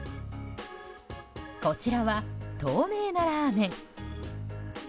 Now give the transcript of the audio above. こちらは透明なラーメン。